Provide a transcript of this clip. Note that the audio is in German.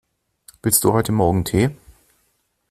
Willst du heute morgen Tee?